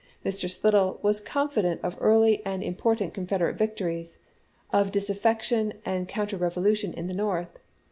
Mr. Slidell was confident of early and impor tant Confederate victories, of disaffection and coun ter revolution in the North.